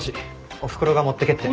おふくろが持ってけって。